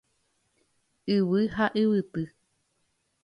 Yvy ha yvyty.